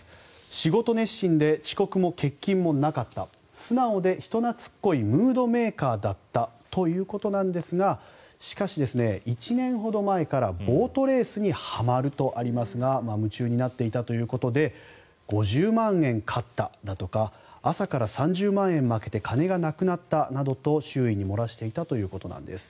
仕事熱心で遅刻も欠勤もなかった素直で人懐っこいムードメーカーだったということですがしかし、１年ほど前からボートレースにはまるとありますが夢中になっていたということで５０万円勝ったとか朝から３０万円負けて金がなくなったなどと周囲に漏らしていたということなんです。